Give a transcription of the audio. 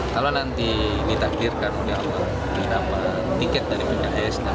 kalau nanti ditakdirkan kita dapat tiket dari pks